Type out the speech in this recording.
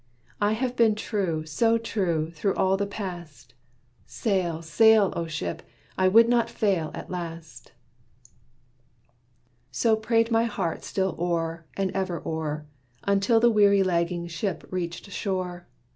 I have been true, so true, through all the past, Sail, sail, O, ship! I would not fail at last." So prayed my heart still o'er, and ever o'er, Until the weary lagging ship reached shore.